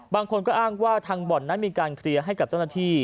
บางคนก็อ้างว่าทางบ่อนนั้นมีการเคลียร์ให้กับเจ้าหน้าที่